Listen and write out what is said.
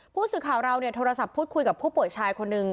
ก็มีคนที่มาโทรศัพท์พูดคุยกับผู้ป่วยชายคนนึง